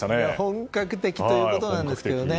本格的ということなんですけどね。